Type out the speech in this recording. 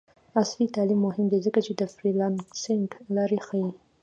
عصري تعلیم مهم دی ځکه چې د فریلانسینګ لارې ښيي.